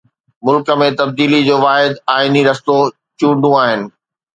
ملڪ ۾ تبديلي جو واحد آئيني رستو چونڊون آهن.